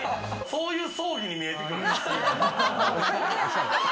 そういう葬儀に見えてくる。